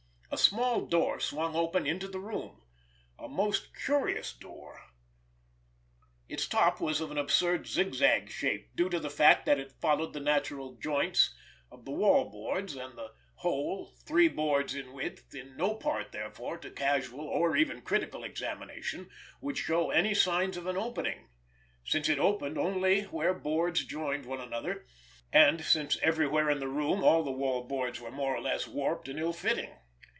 A small door swung open into the room—a most curious door! Its top was of an absurd zigzag shape—due to the fact that it followed the natural joints of the wall boards. And the whole, three boards in width, in no part therefore, to casual or even critical examination, would show any signs of an opening, since it opened only where boards joined one another, and since everywhere in the room all the wall boards were more or less warped and ill fitting!